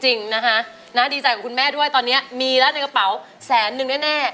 จริงนะฮะดีใจกับคุณแม่ด้วยตอนนี้มีแล้วในกระเป๋าแสนนึงแน่